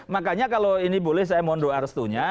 makanya kalau ini boleh saya mondoarstunya